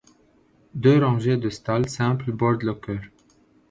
Deux rangées de stalles simples bordent le chœur.